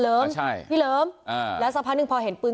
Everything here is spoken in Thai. เลิมพี่เลิมแล้วสังพันธ์หนึ่งพอเห็นปืน